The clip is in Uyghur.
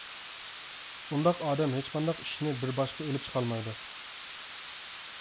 ئۇنداق ئادەم ھېچقانداق ئىشنى بىر باشقا ئېلىپ چىقالمايدۇ.